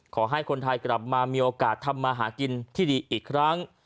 ขอให้คนไทยกลับมามีโอกาสทำมาหากินที่ดีอีกครั้ง